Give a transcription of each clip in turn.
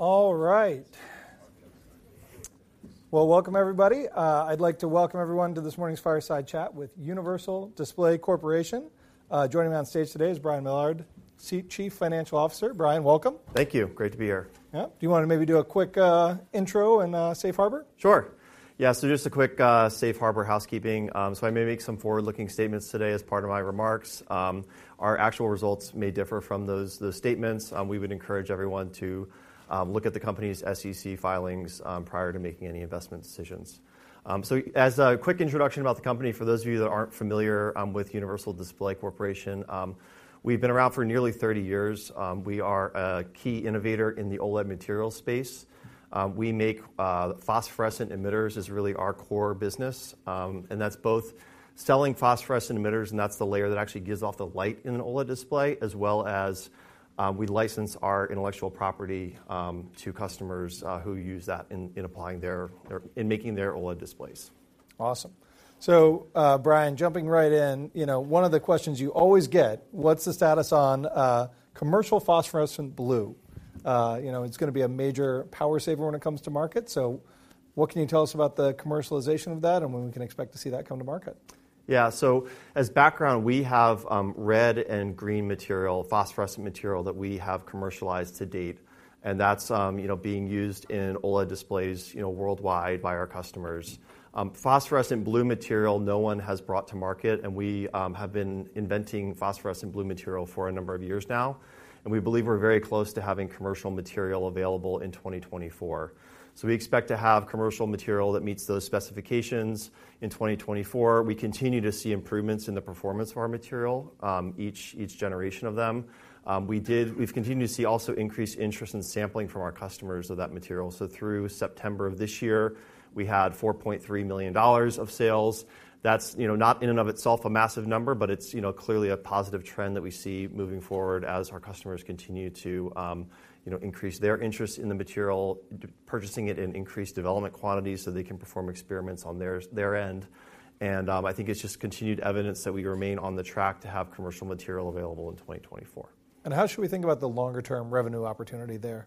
All right. Well, welcome everybody. I'd like to welcome everyone to this morning's Fireside Chat with Universal Display Corporation. Joining me on stage today is Brian Millard, Chief Financial Officer. Brian, welcome. Thank you. Great to be here. Yeah. Do you wanna maybe do a quick intro and safe harbor? Sure. Yeah, so just a quick, safe harbor housekeeping. I may make some forward-looking statements today as part of my remarks. Our actual results may differ from those statements. We would encourage everyone to look at the company's SEC filings prior to making any investment decisions. As a quick introduction about the company, for those of you that aren't familiar with Universal Display Corporation, we've been around for nearly 30 years. We are a key innovator in the OLED material space. We make phosphorescent emitters, is really our core business. And that's both selling phosphorescent emitters, and that's the layer that actually gives off the light in an OLED display, as well as we license our intellectual property to customers who use that in applying their... In making their OLED displays. Awesome. So, Brian, jumping right in, you know, one of the questions you always get: what's the status on commercial phosphorescent blue? You know, it's gonna be a major power saver when it comes to market, so what can you tell us about the commercialization of that, and when we can expect to see that come to market? Yeah, so as background, we have red and green material, phosphorescent material, that we have commercialized to date, and that's, you know, being used in OLED displays, you know, worldwide by our customers. Phosphorescent blue material, no one has brought to market, and we have been inventing phosphorescent blue material for a number of years now, and we believe we're very close to having commercial material available in 2024. So we expect to have commercial material that meets those specifications in 2024. We continue to see improvements in the performance of our material each generation of them. We've continued to see also increased interest in sampling from our customers of that material. So through September of this year, we had $4.3 million of sales. That's, you know, not in and of itself a massive number, but it's, you know, clearly a positive trend that we see moving forward as our customers continue to, you know, increase their interest in the material, purchasing it in increased development quantities so they can perform experiments on their end. And, I think it's just continued evidence that we remain on the track to have commercial material available in 2024. How should we think about the longer term revenue opportunity there?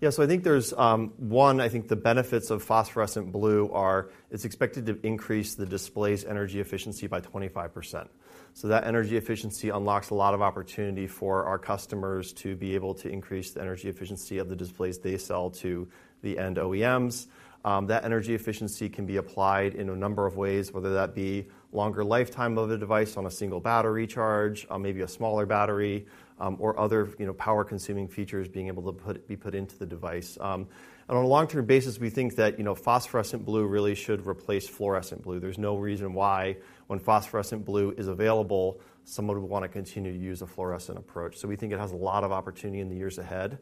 Yeah, so I think there's, I think the benefits of phosphorescent blue are, it's expected to increase the display's energy efficiency by 25%. So that energy efficiency unlocks a lot of opportunity for our customers to be able to increase the energy efficiency of the displays they sell to the end OEMs. That energy efficiency can be applied in a number of ways, whether that be longer lifetime of the device on a single battery charge, maybe a smaller battery, or other, you know, power-consuming features being able to put, be put into the device. And on a long-term basis, we think that, you know, phosphorescent blue really should replace fluorescent blue. There's no reason why when phosphorescent blue is available, someone would wanna continue to use a Fluorescent approach. So we think it has a lot of opportunity in the years ahead.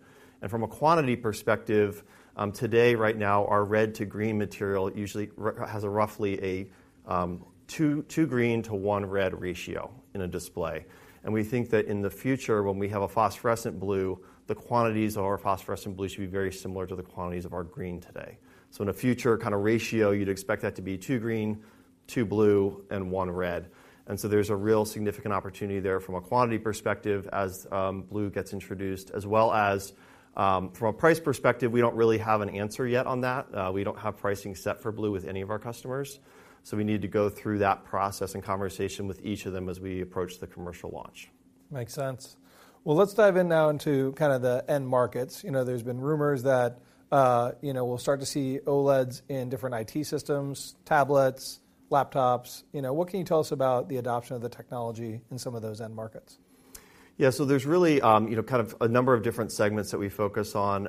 From a quantity perspective, today, right now, our red to green material usually has a roughly 2 green to 1 red ratio in a display. We think that in the future, when we have a phosphorescent blue, the quantities of our phosphorescent blue should be very similar to the quantities of our green today. So in a future kinda ratio, you'd expect that to be 2 green, 2 blue, and 1 red. And so there's a real significant opportunity there from a quantity perspective as blue gets introduced, as well as from a price perspective, we don't really have an answer yet on that. We don't have pricing set for blue with any of our customers, so we need to go through that process and conversation with each of them as we approach the commercial launch. Makes sense. Well, let's dive in now into kind of the end markets. You know, there's been rumors that, you know, we'll start to see OLEDs in different IT systems, tablets, laptops. You know, what can you tell us about the adoption of the technology in some of those end markets? Yeah, so there's really, you know, kind of a number of different segments that we focus on.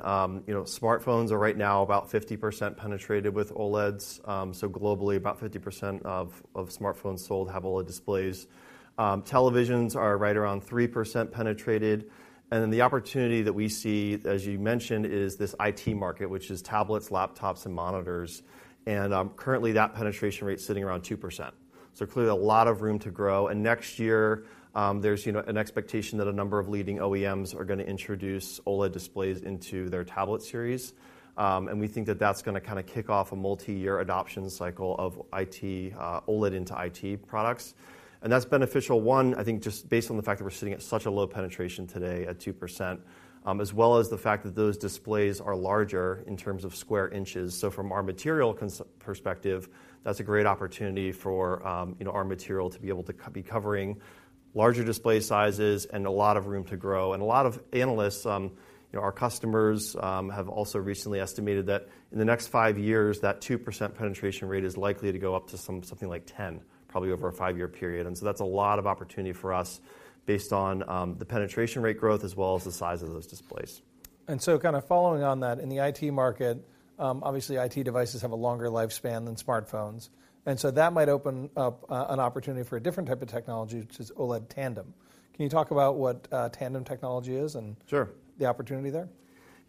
You know, smartphones are right now about 50% penetrated with OLEDs. So globally, about 50% of smartphones sold have OLED displays. Televisions are right around 3% penetrated, and then the opportunity that we see, as you mentioned, is this IT market, which is tablets, laptops, and monitors. And currently, that penetration rate is sitting around 2%, so clearly a lot of room to grow. And next year, there's, you know, an expectation that a number of leading OEMs are gonna introduce OLED displays into their tablet series. And we think that that's gonna kinda kick off a multi-year adoption cycle of IT, OLED into IT products, and that's beneficial, one, I think just based on the fact that we're sitting at such a low penetration today at 2%, as well as the fact that those displays are larger in terms of square inches. So from our material perspective, that's a great opportunity for, you know, our material to be able to be covering larger display sizes and a lot of room to grow. And a lot of analysts, you know, our customers, have also recently estimated that in the next five years, that 2% penetration rate is likely to go up to something like 10, probably over a five-year period. And so that's a lot of opportunity for us based on the penetration rate growth as well as the size of those displays. ...And so kind of following on that, in the IT market, obviously, IT devices have a longer lifespan than smartphones, and so that might open up an opportunity for a different type of technology, which is OLED tandem. Can you talk about what Tandem technology is and- Sure the opportunity there?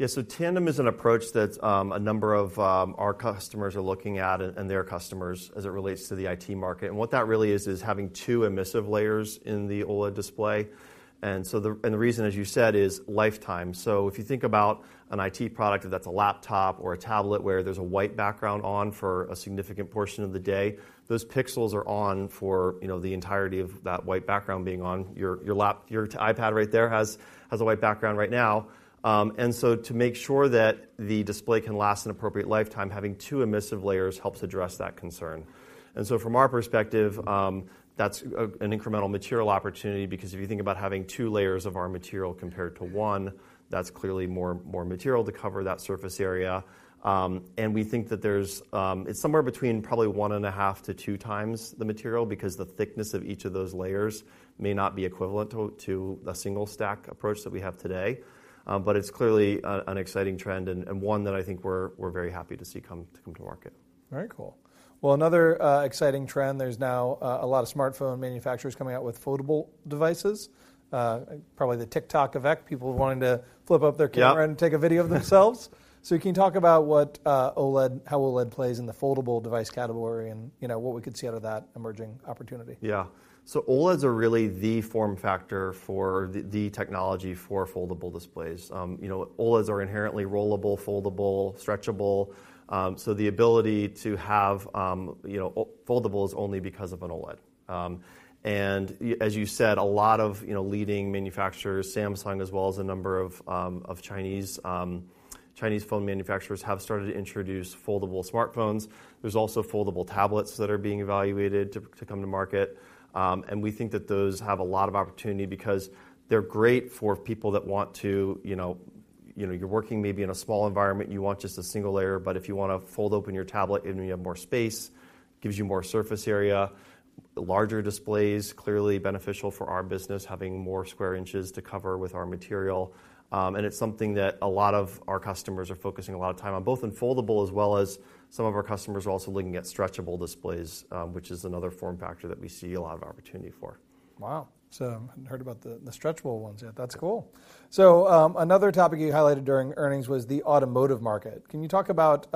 Yeah. So tandem is an approach that, a number of our customers are looking at and their customers as it relates to the IT market. And what that really is, is having two emissive layers in the OLED display. And so the reason, as you said, is lifetime. So if you think about an IT product, if that's a laptop or a tablet, where there's a white background on for a significant portion of the day, those pixels are on for, you know, the entirety of that white background being on. Your iPad right there has a white background right now. And so to make sure that the display can last an appropriate lifetime, having two emissive layers helps address that concern. From our perspective, that's an incremental material opportunity, because if you think about having 2 layers of our material compared to 1, that's clearly more material to cover that surface area. And we think that there's. It's somewhere between probably 1.5-2 times the material, because the thickness of each of those layers may not be equivalent to a single stack approach that we have today. But it's clearly an exciting trend and one that I think we're very happy to see come to market. Very cool. Well, another exciting trend, there's now a lot of smartphone manufacturers coming out with foldable devices. Probably the TikTok effect, people wanting to flip up their camera- Yeah -and take a video of themselves. So can you talk about what, OLED... how OLED plays in the foldable device category and, you know, what we could see out of that emerging opportunity? Yeah. So OLEDs are really the form factor for the, the technology for foldable displays. You know, OLEDs are inherently rollable, foldable, stretchable. So the ability to have, you know, foldable is only because of an OLED. And as you said, a lot of, you know, leading manufacturers, Samsung, as well as a number of, of Chinese, Chinese phone manufacturers, have started to introduce foldable smartphones. There's also foldable tablets that are being evaluated to come to market. And we think that those have a lot of opportunity because they're great for people that want to, you know... You know, you're working maybe in a small environment, you want just a single layer, but if you want to fold open your tablet and you have more space, gives you more surface area, larger displays, clearly beneficial for our business, having more square inches to cover with our material. It's something that a lot of our customers are focusing a lot of time on, both in foldable as well as some of our customers are also looking at stretchable displays, which is another form factor that we see a lot of opportunity for. Wow! So I hadn't heard about the, the stretchable ones yet. Yeah. That's cool. So, another topic you highlighted during earnings was the automotive market. Can you talk about,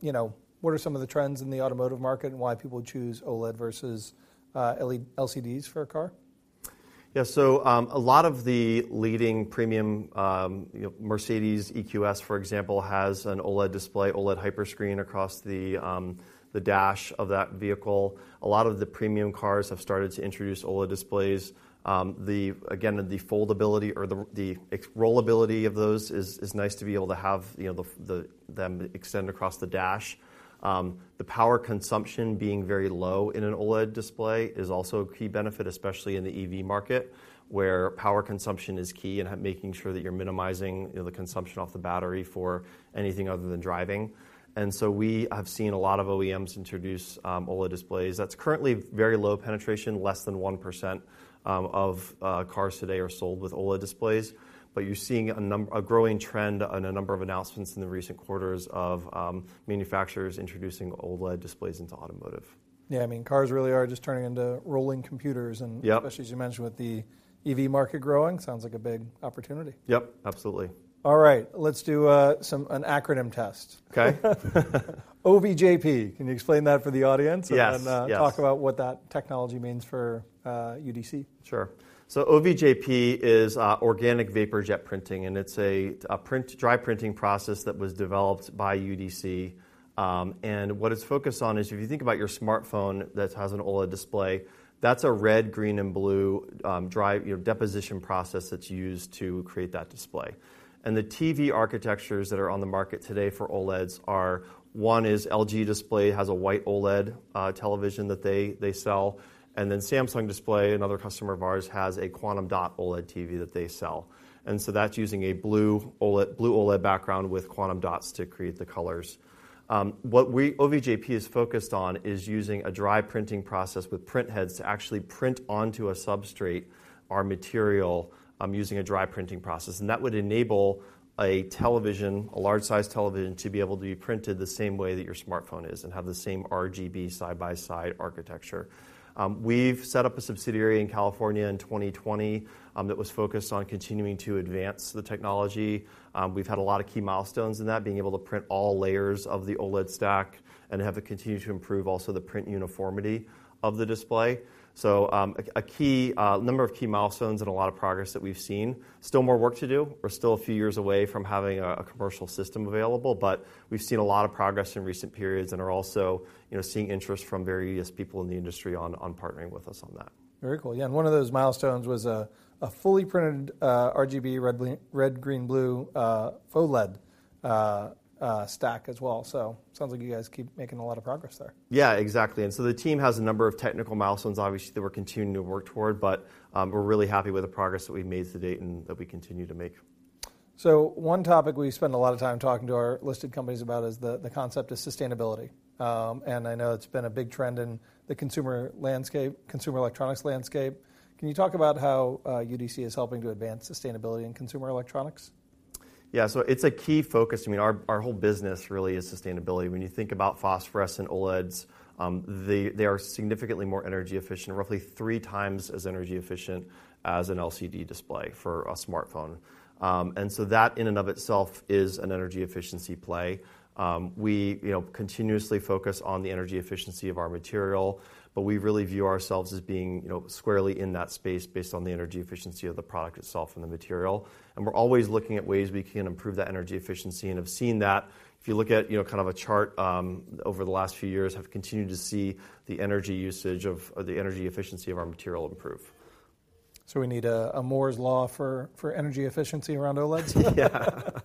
you know, what are some of the trends in the automotive market and why people choose OLED versus, LCDs for a car? Yeah. So, a lot of the leading premium, you know, Mercedes EQS, for example, has an OLED display, OLED Hyperscreen across the dash of that vehicle. A lot of the premium cars have started to introduce OLED displays. Again, the foldability or the rollability of those is nice to be able to have, you know, them extend across the dash. The power consumption being very low in an OLED display is also a key benefit, especially in the EV market, where power consumption is key and making sure that you're minimizing, you know, the consumption off the battery for anything other than driving. And so we have seen a lot of OEMs introduce OLED displays. That's currently very low penetration. Less than 1% of cars today are sold with OLED displays, but you're seeing a growing trend and a number of announcements in the recent quarters of manufacturers introducing OLED displays into automotive. Yeah, I mean, cars really are just turning into rolling computers and- Yeah... especially as you mentioned, with the EV market growing, sounds like a big opportunity. Yep, absolutely. All right, let's do an acronym test. Okay. OVJP, can you explain that for the audience? Yes, yes. And then, talk about what that technology means for UDC. Sure. So OVJP is Organic Vapor Jet Printing, and it's a dry printing process that was developed by UDC. And what it's focused on is, if you think about your smartphone that has an OLED display, that's a red, green, and blue dry, you know, deposition process that's used to create that display. And the TV architectures that are on the market today for OLEDs are: one is LG Display, has a white OLED television that they sell, and then Samsung Display, another customer of ours, has a quantum dot OLED TV that they sell. And so that's using a blue OLED background with quantum dots to create the colors. OVJP is focused on is using a dry printing process with print heads to actually print onto a substrate our material using a dry printing process. That would enable a television, a large-sized television, to be able to be printed the same way that your smartphone is and have the same RGB side-by-side architecture. We've set up a subsidiary in California in 2020 that was focused on continuing to advance the technology. We've had a lot of key milestones in that, being able to print all layers of the OLED stack and have it continue to improve also the print uniformity of the display. So, a number of key milestones and a lot of progress that we've seen. Still more work to do. We're still a few years away from having a commercial system available, but we've seen a lot of progress in recent periods and are also, you know, seeing interest from various people in the industry on partnering with us on that. Very cool. Yeah, and one of those milestones was a fully printed RGB, red, green, blue OLED stack as well. So sounds like you guys keep making a lot of progress there. Yeah, exactly. And so the team has a number of technical milestones, obviously, that we're continuing to work toward, but, we're really happy with the progress that we've made to date and that we continue to make. So one topic we spend a lot of time talking to our listed companies about is the concept of sustainability. And I know it's been a big trend in the consumer landscape, consumer electronics landscape. Can you talk about how UDC is helping to advance sustainability in consumer electronics?... Yeah, so it's a key focus. I mean, our, our whole business really is sustainability. When you think about phosphorescent OLEDs, they, they are significantly more energy efficient, roughly 3x as energy efficient as an LCD display for a smartphone. And so that in and of itself is an energy efficiency play. We, you know, continuously focus on the energy efficiency of our material, but we really view ourselves as being, you know, squarely in that space based on the energy efficiency of the product itself and the material. And we're always looking at ways we can improve that energy efficiency and have seen that, if you look at, you know, kind of a chart, over the last few years, have continued to see the energy usage of, or the energy efficiency of our material improve. So we need a Moore's Law for energy efficiency around OLEDs? Yeah.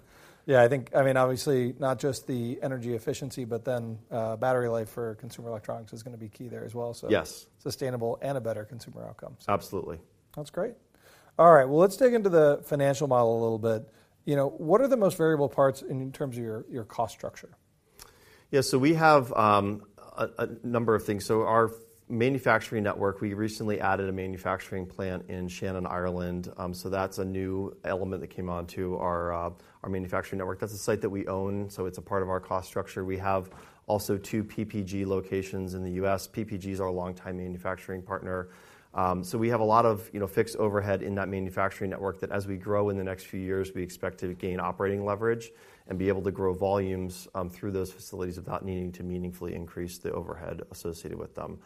Yeah, I think, I mean, obviously, not just the energy efficiency, but then, battery life for consumer electronics is gonna be key there as well, so- Yes. Sustainable and a better consumer outcome. Absolutely. That's great. All right, well, let's dig into the financial model a little bit. You know, what are the most variable parts in terms of your, your cost structure? Yeah, so we have a number of things. So our manufacturing network, we recently added a manufacturing plant in Shannon, Ireland. So that's a new element that came onto our manufacturing network. That's a site that we own, so it's a part of our cost structure. We have also two PPG locations in the U.S. PPG's our longtime manufacturing partner. So we have a lot of, you know, fixed overhead in that manufacturing network that as we grow in the next few years, we expect to gain operating leverage and be able to grow volumes through those facilities without needing to meaningfully increase the overhead associated with them.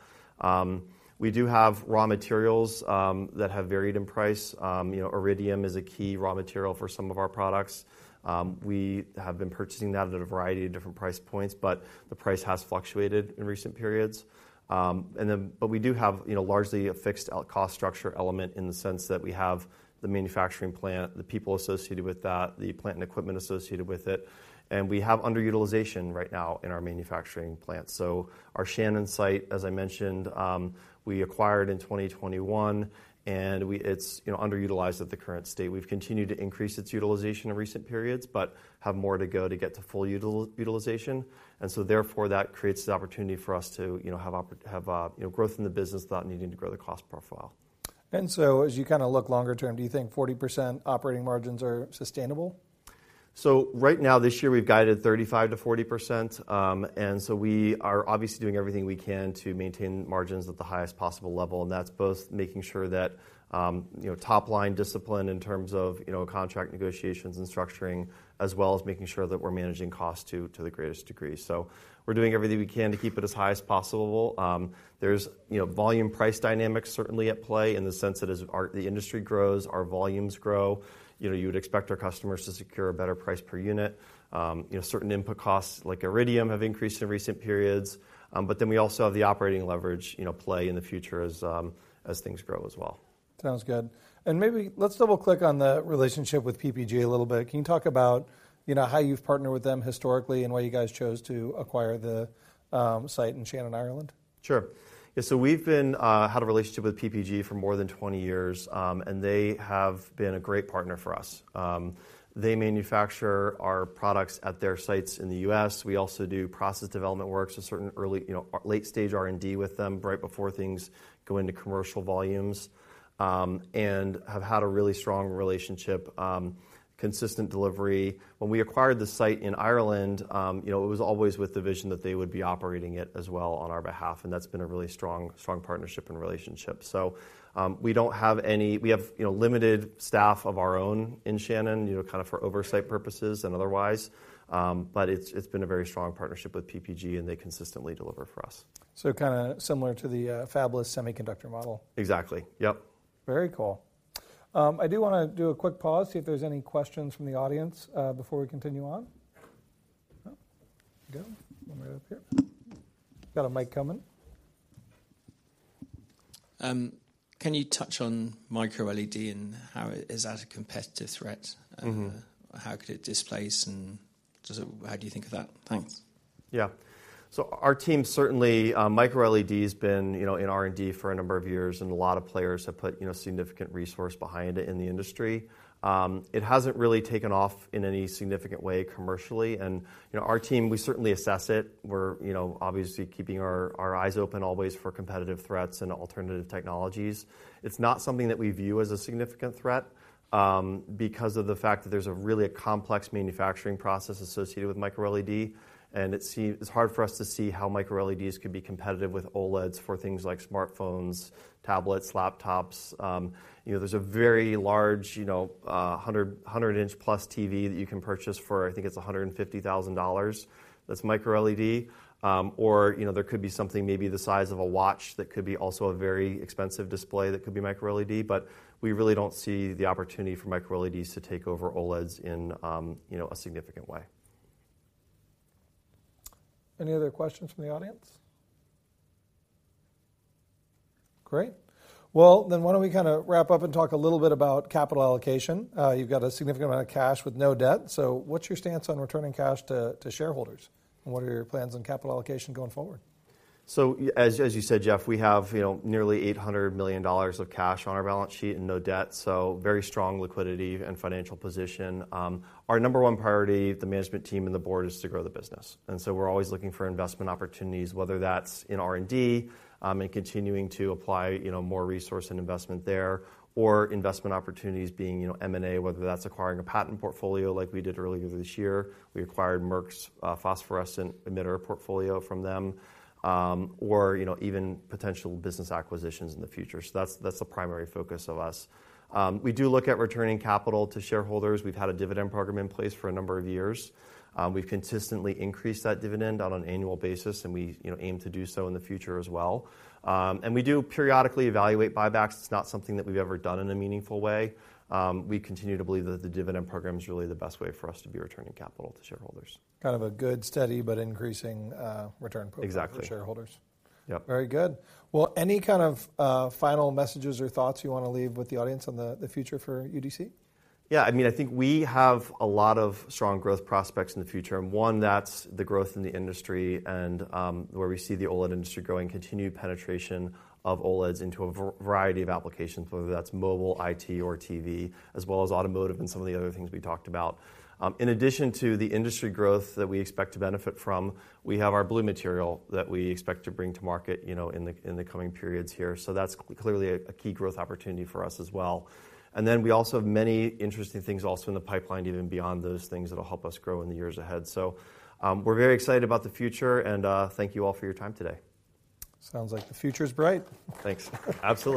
We do have raw materials that have varied in price. You know, iridium is a key raw material for some of our products. We have been purchasing that at a variety of different price points, but the price has fluctuated in recent periods. But we do have, you know, largely a fixed out cost structure element in the sense that we have the manufacturing plant, the people associated with that, the plant and equipment associated with it, and we have underutilization right now in our manufacturing plant. So our Shannon site, as I mentioned, we acquired in 2021, and it's, you know, underutilized at the current state. We've continued to increase its utilization in recent periods but have more to go to get to full utilization, and so therefore, that creates the opportunity for us to, you know, have growth in the business without needing to grow the cost profile. As you kind of look longer term, do you think 40% operating margins are sustainable? So right now, this year, we've guided 35%-40%, and so we are obviously doing everything we can to maintain margins at the highest possible level, and that's both making sure that, you know, top-line discipline in terms of, you know, contract negotiations and structuring, as well as making sure that we're managing costs, too, to the greatest degree. So we're doing everything we can to keep it as high as possible. There's, you know, volume-price dynamics certainly at play in the sense that as the industry grows, our volumes grow. You know, you would expect our customers to secure a better price per unit. You know, certain input costs, like Iridium, have increased in recent periods, but then we also have the operating leverage, you know, play in the future as, as things grow as well. Sounds good. Maybe let's double-click on the relationship with PPG a little bit. Can you talk about, you know, how you've partnered with them historically and why you guys chose to acquire the site in Shannon, Ireland? Sure. Yeah, so we've been had a relationship with PPG for more than 20 years, and they have been a great partner for us. They manufacture our products at their sites in the U.S. We also do process development work, so certain early, you know, late-stage R&D with them right before things go into commercial volumes, and have had a really strong relationship, consistent delivery. When we acquired the site in Ireland, you know, it was always with the vision that they would be operating it as well on our behalf, and that's been a really strong, strong partnership and relationship. So, we don't have any-- we have, you know, limited staff of our own in Shannon, you know, kind of for oversight purposes and otherwise. But it's, it's been a very strong partnership with PPG, and they consistently deliver for us. Kind of similar to the fabless semiconductor model. Exactly. Yep. Very cool. I do wanna do a quick pause, see if there's any questions from the audience, before we continue on. Oh, good. One right up here. Got a mic coming. Can you touch on MicroLED and how... is that a competitive threat? Mm-hmm. How could it displace, and does it, how do you think of that? Thanks. Yeah. So our team certainly, MicroLED's been, you know, in R&D for a number of years, and a lot of players have put, you know, significant resource behind it in the industry. It hasn't really taken off in any significant way commercially, and, you know, our team, we certainly assess it. We're, you know, obviously keeping our eyes open always for competitive threats and alternative technologies. It's not something that we view as a significant threat, because of the fact that there's a really a complex manufacturing process associated with MicroLED, and it's hard for us to see how MicroLEDs could be competitive with OLEDs for things like smartphones, tablets, laptops. You know, there's a very large, you know, 100-inch-plus TV that you can purchase for, I think it's $150,000. That's MicroLED. Or, you know, there could be something maybe the size of a watch that could be also a very expensive display that could be MicroLED, but we really don't see the opportunity for MicroLEDs to take over OLEDs in, you know, a significant way. Any other questions from the audience? Great. Well, then, why don't we kind of wrap up and talk a little bit about capital allocation? You've got a significant amount of cash with no debt, so what's your stance on returning cash to shareholders, and what are your plans on capital allocation going forward? So as, as you said, Jeff, we have, you know, nearly $800 million of cash on our balance sheet and no debt, so very strong liquidity and financial position. Our number one priority, the management team and the board, is to grow the business. So we're always looking for investment opportunities, whether that's in R&D, and continuing to apply, you know, more resource and investment there, or investment opportunities being, you know, M&A, whether that's acquiring a patent portfolio like we did earlier this year. We acquired Merck's phosphorescent emitter portfolio from them, or, you know, even potential business acquisitions in the future. So that's, that's the primary focus of us. We do look at returning capital to shareholders. We've had a dividend program in place for a number of years. We've consistently increased that dividend on an annual basis, and we, you know, aim to do so in the future as well. And we do periodically evaluate buybacks. It's not something that we've ever done in a meaningful way. We continue to believe that the dividend program is really the best way for us to be returning capital to shareholders. Kind of a good, steady, but increasing, return program- Exactly... for shareholders. Yep. Very good. Well, any kind of final messages or thoughts you wanna leave with the audience on the future for UDC? Yeah, I mean, I think we have a lot of strong growth prospects in the future, and one, that's the growth in the industry and where we see the OLED industry growing, continued penetration of OLEDs into a variety of applications, whether that's mobile, IT, or TV, as well as automotive and some of the other things we talked about. In addition to the industry growth that we expect to benefit from, we have our blue material that we expect to bring to market, you know, in the coming periods here. So that's clearly a key growth opportunity for us as well. And then we also have many interesting things also in the pipeline, even beyond those things, that'll help us grow in the years ahead. So, we're very excited about the future, and thank you all for your time today. Sounds like the future's bright. Thanks. Absolutely.